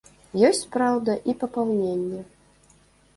Ёсць, праўда, і папаўненне.